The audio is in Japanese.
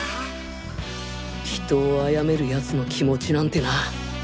人を殺める奴の気持ちなんてな。